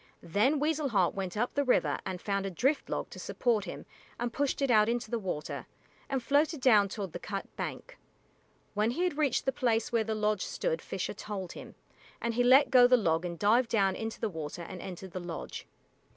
Then Weasel Heart went up the river and found a drift log to support him and pushed it out into the water, and floated down toward the cut bank. When he had reached the place where the lodge stood Fisher told him, and he let go the log and dived down into the water and entered the lodge.